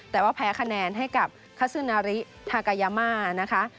แต่ว่าแพ้คะแนนให้กับคาซึนาริทากายามานะคะ